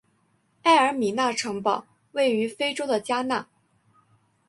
埃尔米纳城堡位于非洲的加纳。